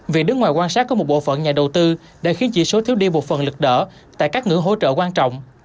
việc đứng ngoài quan sát có một bộ phận nhà đầu tư đã khiến chỉ số thiếu đi một phần lực đỡ tại các ngưỡng hỗ trợ quan trọng